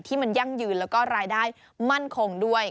ที่มันยั่งยืนแล้วก็รายได้มั่นคงด้วย